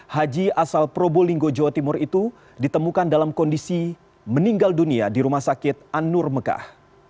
haji asal probolinggo jawa timur itu ditemukan dalam kondisi meninggal dunia di rumah sakit anur mekah